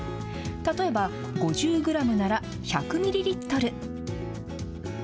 例えば、５０グラムなら１００ミリリットル。